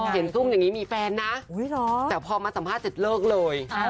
ซุ่มอย่างนี้มีแฟนนะแต่พอมาสัมภาษณ์เสร็จเลิกเลย